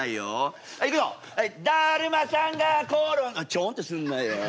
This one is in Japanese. ちょんってすんなよ。